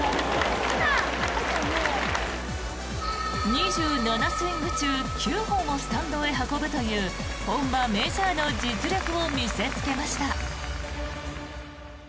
２７スイング中９本をスタンドへ運ぶという本場メジャーの実力を見せつけました。